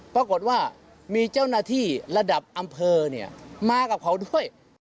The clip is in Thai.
ปรากฏว่ามีเจ้าหน้าที่ระดับอำเภอเนี่ยมากับเขาด้วย